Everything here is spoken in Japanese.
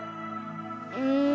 うん。